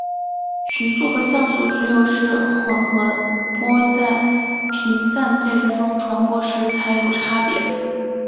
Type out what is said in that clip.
群速和相速只有是混合波在频散介质中传播时才有差别。